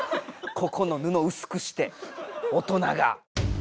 ここのぬのうすくして大人が。